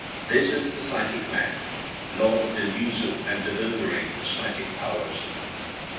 This is the psychic man, lord of delusive and bewildering psychic powers.